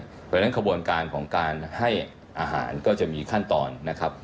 เพราะฉะนั้นขบวนการของการให้อาหารก็จะมีขั้นตอนนะครับ